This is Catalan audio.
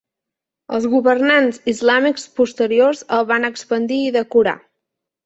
Els governants islàmics posteriors el van expandir i decorar.